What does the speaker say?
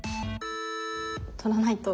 取らないと。